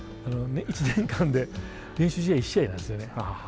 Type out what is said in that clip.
１年間で練習試合１試合なんですよね。